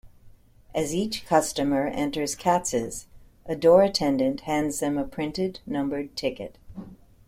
As each customer enters Katz's, a door attendant hands them a printed, numbered ticket.